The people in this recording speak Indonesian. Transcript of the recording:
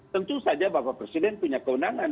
tentu saja bapak presiden punya kewenangan